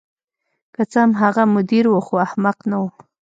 که څه هم هغه مدیر و خو احمق نه و